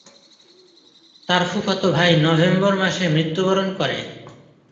তার ফুফাতো ভাই নভেম্বর মাসে মৃত্যুবরণ করে।